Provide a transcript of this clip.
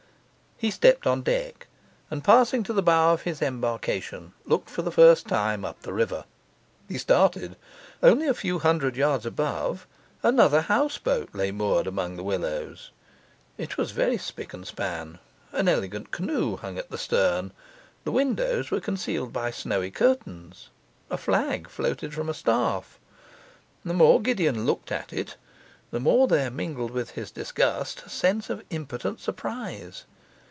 He stepped on deck, and passing to the bow of his embarkation, looked for the first time up the river. He started. Only a few hundred yards above another houseboat lay moored among the willows. It was very spick and span, an elegant canoe hung at the stern, the windows were concealed by snowy curtains, a flag floated from a staff. The more Gideon looked at it, the more there mingled with his disgust a sense of impotent surprise.